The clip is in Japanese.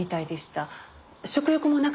食欲もなかったですし。